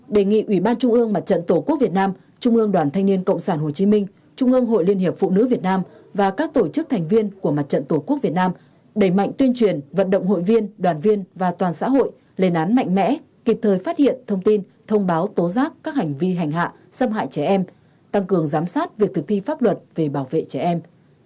bốn đề nghị ủy ban trung ương mặt trận tổ quốc việt nam trung ương đoàn thanh niên cộng sản hồ chí minh trung ương hội liên hiệp phụ nữ việt nam và các tổ chức thành viên của mặt trận tổ quốc việt nam đẩy mạnh tuyên truyền vận động hội viên đoàn viên và toàn xã hội lên án mạnh mẽ kịp thời phát hiện thông tin thông báo tố giác các hành vi hành hạ xâm hại trẻ em tăng cường giám sát việc thực thi pháp luật về bảo vệ trẻ em